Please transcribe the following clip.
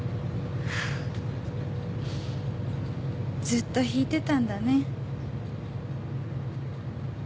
ずっと弾いてたんだね。